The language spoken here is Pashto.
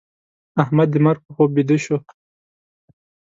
احمد د مرګ په خوب بيده شو.